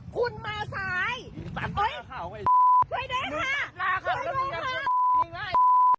คุณมาซ้าย